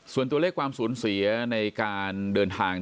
ส่วนตัวเลขความสูญเสียในการเดินทาง